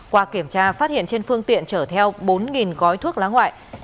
qua kiểm tra phát hiện trên phương tiện chở theo bốn gói thuốc lá ngoại